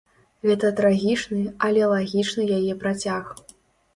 Гэта трагічны, але лагічны яе працяг.